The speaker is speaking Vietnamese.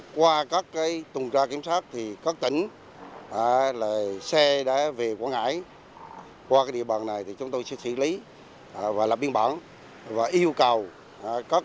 qua các tuần tra kiểm soát thì các tỉnh xe đã về quảng ngãi qua địa bàn này thì chúng tôi sẽ xử lý và lập biên bản và yêu cầu các